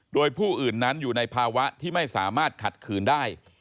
โดยผู้อื่นนั้นอยู่ในภาวะที่ไม่สามารถขัดขืนได้